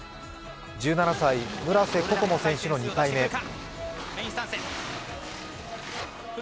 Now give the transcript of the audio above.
１７歳、村瀬心椛選手の２回目。